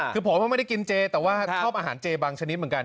คือผมไม่ได้กินเจแต่ว่าชอบอาหารเจบางชนิดเหมือนกัน